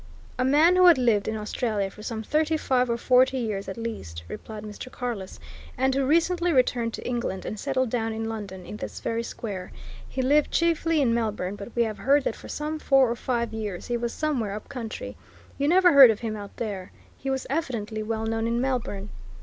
"A man who had lived in Australia for some thirty five or forty years at least," replied Mr. Carless, "and who recently returned to England and settled down in London, in this very square. He lived chiefly in Melbourne, but we have heard that for some four or five years he was somewhere up country. You never heard of him out there? He was evidently well known in Melbourne."